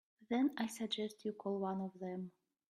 Then I suggest you call one of them.